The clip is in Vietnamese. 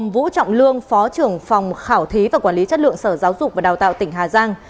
vũ trọng lương phó trưởng phòng khảo thí và quản lý chất lượng sở giáo dục và đào tạo tỉnh hà giang